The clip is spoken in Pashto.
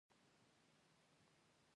راشده پاڅه ميدان ته راشه!